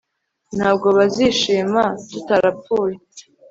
Ntabwo bazishima tutarapfuye